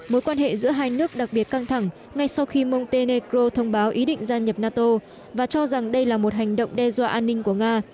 mối quan hệ giữa hai nước đặc biệt căng thẳng ngay sau khi monteneko thông báo ý định gia nhập nato và cho rằng đây là một hành động đe dọa an ninh của nga